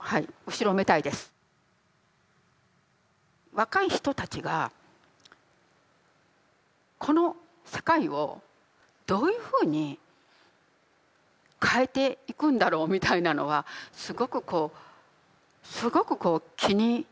若い人たちがこの世界をどういうふうに変えていくんだろうみたいなのはすごくこうすごくこう気になっていて。